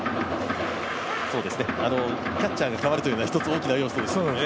キャッチャーが代わるというのは、一つ、大きな要素でしたね。